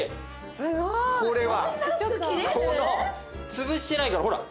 すごい！潰してないからほら。